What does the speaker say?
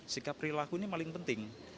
sikap perilaku ini paling penting